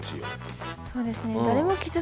そうですね。